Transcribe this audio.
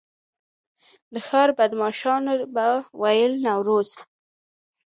د ښار بدمعاشانو به ویل نوروز.